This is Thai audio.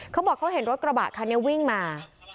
เขาบอกเขาเห็นรถกระบะคันนี้วิ่งมา